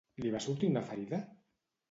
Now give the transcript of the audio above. Li va sortir una ferida?